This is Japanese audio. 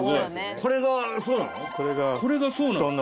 これがそうなの？